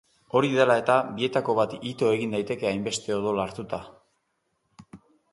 Hori dela eta, bietako bat ito egin daiteke hainbeste odol hartuta.